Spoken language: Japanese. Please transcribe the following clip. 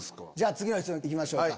次の質問行きましょうか。